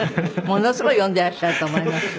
ものすごい読んでいらっしゃると思います。